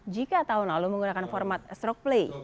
jika tahun lalu menggunakan format stroke play